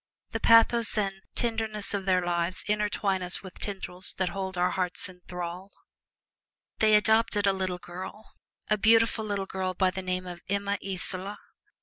The pathos and tenderness of their lives entwine us with tendrils that hold our hearts in thrall. They adopted a little girl, a beautiful little girl by the name of Emma Isola.